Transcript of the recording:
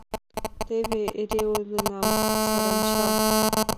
— Теве, эре ойленам: саранча!